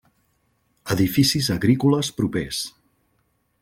Edificis agrícoles propers.